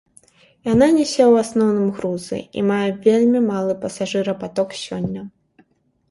Яна нясе ў асноўным грузы, і мае вельмі малы пасажырапаток сёння.